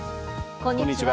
こんにちは。